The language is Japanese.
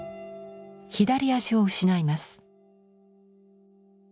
左足を失います。